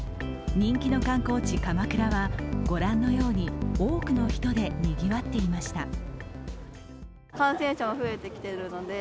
人気の観光地・鎌倉は御覧のように多くの人でにぎわっていました。